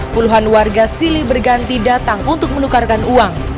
puluhan warga silih berganti datang untuk menukarkan uang